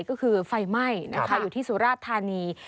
ก็คือไฟไหม้นะคะอยู่ที่สุราชธานี